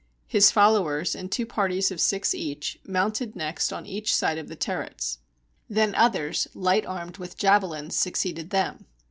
His followers, in two parties of six each, mounted next on each side of the turrets. Then others light armed with javelins succeeded them.